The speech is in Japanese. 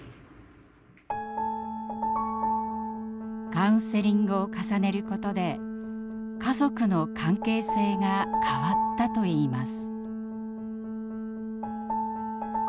カウンセリングを重ねることで家族の関係性が変わったといいます。